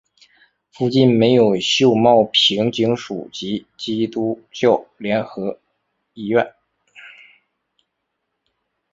附近设有秀茂坪警署及基督教联合医院。